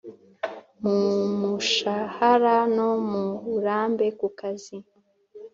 mu mushahara no mu burambe ku kazi